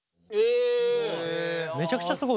めちゃくちゃすごいじゃん。